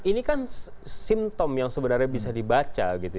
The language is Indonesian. ini kan simptom yang sebenarnya bisa dibaca gitu